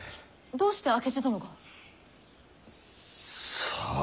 どうして明智殿が？さあ。